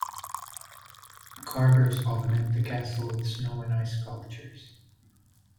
Carvers augment the castle with snow and ice sculptures.